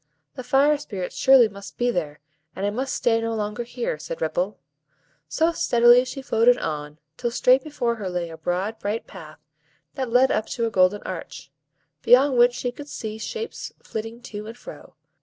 "The Fire Spirits surely must be there, and I must stay no longer here," said Ripple. So steadily she floated on, till straight before her lay a broad, bright path, that led up to a golden arch, beyond which she could see shapes flitting to and fro.